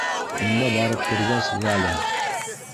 Унда барып кергәс, Галя: